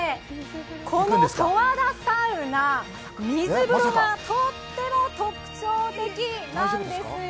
この十和田サウナ、水風呂がとっても特徴的なんですよ。